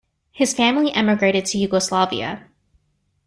His family emigrated to Yugoslavia.